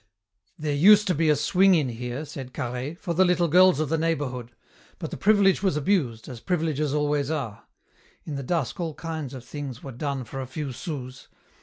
"There used to be a swing in here," said Carhaix, "for the little girls of the neighbourhood. But the privilege was abused, as privileges always are. In the dusk all kinds of things were done for a few sous.